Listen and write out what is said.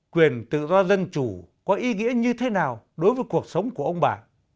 quyền tự do dân chủ có ý nghĩa như thế nào đối với cuộc sống của ông bà